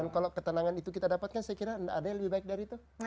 dan kalau ketenangan itu kita dapatkan saya kira ada yang lebih baik dari itu